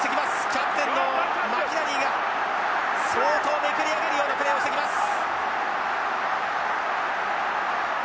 キャプテンのマキナリーが相当めくり上げるようなプレーをしてきます。